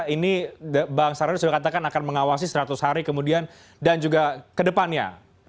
ini bang sarah sudah katakan akan mengawasi seratus hari kemudian dan juga kedepannya